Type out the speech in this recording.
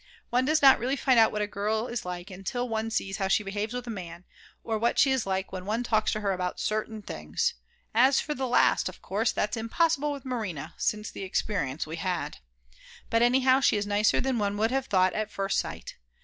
One does not really find out what a girl is like until one sees how she behaves with a man, or what she is like when one talks to her about certain things; as for the last, of course that's impossible with Marina since the experience we had. But anyhow she is nicer than one would have thought at first sight.